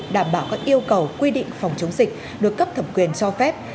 đảm bảo các yêu cầu quy định phòng chống dịch được cấp thẩm quyền cho phép